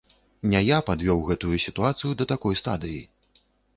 Не я падвёў гэтую сітуацыю да такой стадыі.